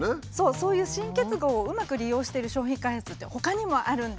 そういう新結合をうまく利用してる商品開発ってほかにもあるんです。